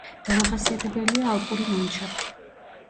დამახასიათებელია ალპური ლანდშაფტი.